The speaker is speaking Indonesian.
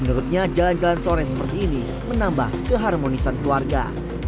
menurutnya jalan jalan sore seperti ini menambah keharmonisan keluarga